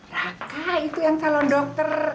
raka itu yang calon dokter